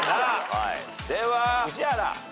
では宇治原。